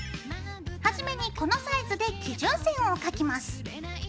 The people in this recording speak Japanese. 初めにこのサイズで基準線を描きます。